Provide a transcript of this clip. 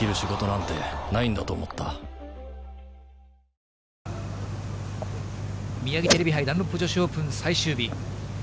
グラブを離しましたが、ミヤギテレビ杯ダンロップ女子オープン最終日。